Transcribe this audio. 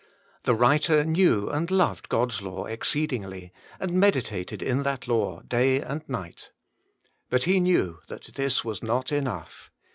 |,»■^ The writer knew and loved God's law exceed ingly, and meditated in that law day and night. But he knew that this was not enough.